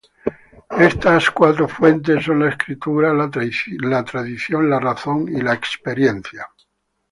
Estas cuatro fuentes son la escritura, la tradición, la razón y la experiencia cristiana.